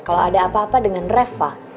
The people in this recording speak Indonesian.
kalau ada apa apa dengan reva